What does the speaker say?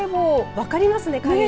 分かりますね。